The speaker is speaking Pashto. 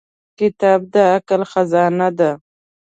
• کتاب د عقل خزانه ده.